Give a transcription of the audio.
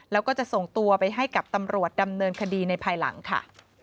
แล้วก็จะส่งตัวไปให้กับตำรวจดำเนินคดีในภายหลังค่ะ